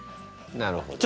なるほど。